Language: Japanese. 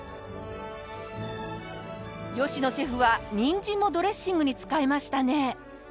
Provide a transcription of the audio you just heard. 野シェフはニンジンもドレッシングに使いましたね。